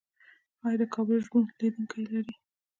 آیا د کابل ژوبڼ لیدونکي لري؟